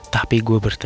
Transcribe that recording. tapi aku bisa